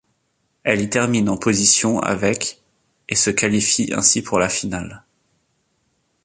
Elle y termine en position avec et se qualifie ainsi pour la finale.